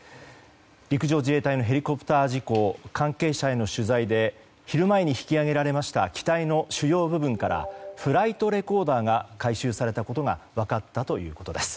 陸上自衛隊のヘリコプター事故関係者への取材で昼前に引き揚げられた機体の主要部分からフライトレコーダーが回収されたことが分かったということです。